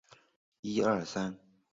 小时候过年山上很凉